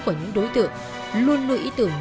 của những đối tượng luôn nụ ý tưởng